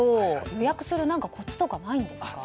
予約するコツとかないんですか？